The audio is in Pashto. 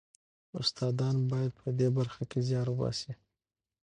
استادان باید په دې برخه کې زیار وباسي.